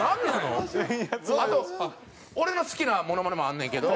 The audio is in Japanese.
あと俺の好きなモノマネもあんねんけど。